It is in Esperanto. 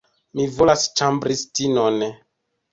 Mi volas ĉambristinon.